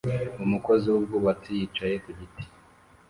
Umukozi wubwubatsi yicaye ku giti